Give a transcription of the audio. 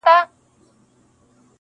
ړنګه بنګه یې لړۍ سوه د خیالونو -